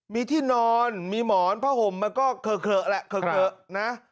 มีที่นอนมีหมอนผ้าห่มมันก็เคอะแหละเคลอะนะ